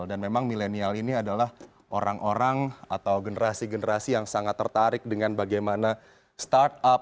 dan memang milenial ini adalah orang orang atau generasi generasi yang sangat tertarik dengan bagaimana startup